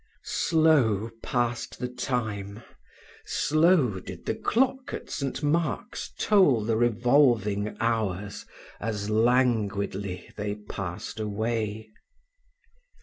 Slow passed the time slow did the clock at St. Mark's toll the revolving hours as languidly they passed away.